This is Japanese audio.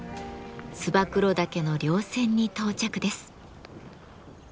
燕岳の稜線に到着です。